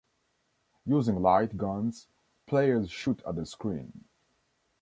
Using light guns, players shoot at the screen.